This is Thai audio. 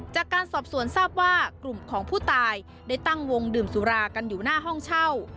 จากการสอบสวนทราบว่ากลุ่มของผู้ตายได้ตั้งวงดื่มสุรากันอยู่หน้าห้องเช่า